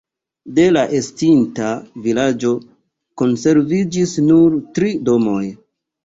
De la estinta vilaĝo konserviĝis nur tri domoj.